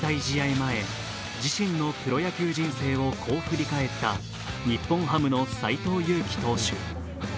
前、自身のプロ野球人生をこう振り返った日本ハムの斎藤佑樹投手。